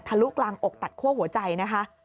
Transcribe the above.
ลุกลางอกตัดคั่วหัวใจนะคะ